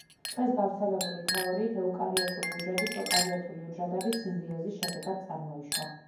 დღეს გავრცელებული თეორიით, ეუკარიოტული უჯრედი პროკარიოტული უჯრედების სიმბიოზის შედეგად წარმოიშვა.